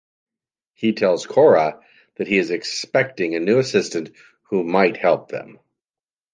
He tells Cora that he is expecting a new assistant who might help them.